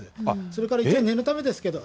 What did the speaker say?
それから一応、念のためですけど。